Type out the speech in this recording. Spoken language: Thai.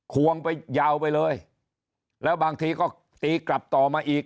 ควงไปยาวไปเลยแล้วบางทีก็ตีกลับต่อมาอีก